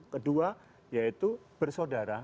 kedua yaitu bersaudara